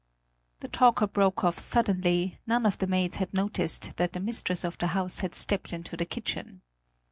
The talker broke off suddenly; none of the maids had noticed that the mistress of the house had stepped into the kitchen.